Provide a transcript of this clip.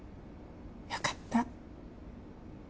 よかった。